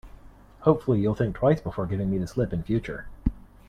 Hopefully, you'll think twice before giving me the slip in future.